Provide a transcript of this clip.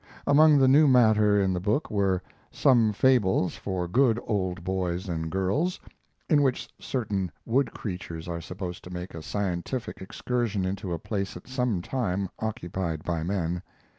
Among the new matter in the book were "Some Fables for Good Old Boys and Girls," in which certain wood creatures are supposed to make a scientific excursion into a place at some time occupied by men.